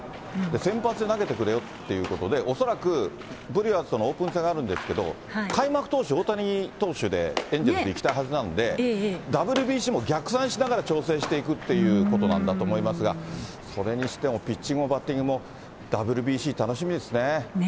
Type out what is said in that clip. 先発で投げてくれよってことで、恐らくブリュワーズとのオープン戦があるんですけど、開幕投手、大谷投手でエンゼルスいきたいはずなんで、ＷＢＣも逆算しながら調整していくっていうことなんだと思いますが、それにしてもピッチングもバッティングもＷＢＣ、楽しみですね。